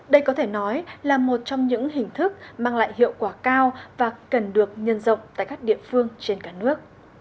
đây có thể nói là một trong những hình thức mang lại hiệu quả cao và cần được nhân rộng tại các địa phương trên cả nước